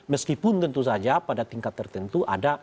meskipun tentu saja pada tingkat tertentu ada